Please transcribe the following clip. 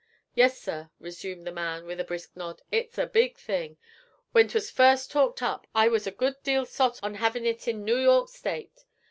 'Yes, sir,' resumed the man, with a brisk nod, 'it's a big thing! When 'twas first talked up I was a good deal sot on havin' it in Noo York State.